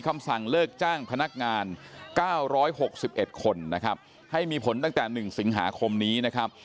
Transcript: คำสั่งเลิกจ้างพนักงาน๙๖๑คนนะครับให้มีผลตั้งแต่๑สิงหาคมนี้นะครับ